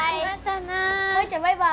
舞ちゃんバイバイ。